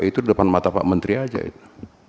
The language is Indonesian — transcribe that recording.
itu depan mata pak menteri aja itu